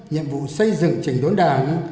nhiệm vụ xây dựng trình đốn đảng